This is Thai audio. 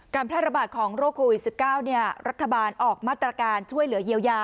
แพร่ระบาดของโรคโควิด๑๙รัฐบาลออกมาตรการช่วยเหลือเยียวยา